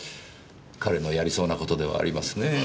彼のやりそうな事ではありますねぇ。